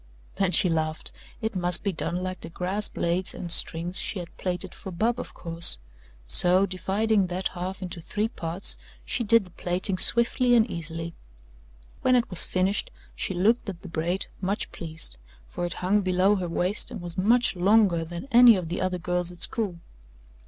Then she laughed it must be done like the grass blades and strings she had plaited for Bub, of course, so, dividing that half into three parts, she did the plaiting swiftly and easily. When it was finished she looked at the braid, much pleased for it hung below her waist and was much longer than any of the other girls' at school.